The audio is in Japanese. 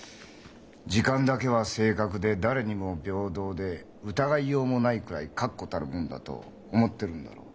時間だけは正確で誰にも平等で疑いようもないくらい確固たるもんだと思ってるんだろう。